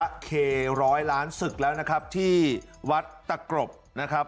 เคร้อยล้านศึกแล้วนะครับที่วัดตะกรบนะครับ